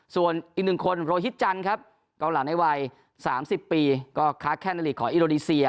ส่วนอีกหนึ่งคนโรฮิตจันครับเกาหลาในวัย๓๐ปีก็คลาดแค่ในลีกของอิโรดิเซีย